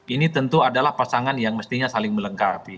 ini tentu adalah pasangan yang mestinya saling melengkapi